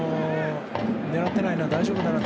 狙ってないな、大丈夫だな。